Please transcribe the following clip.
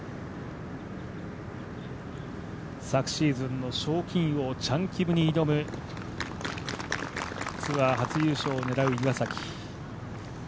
昨シーズンの賞金王チャン・キムに挑むツアー初優勝を狙う岩崎。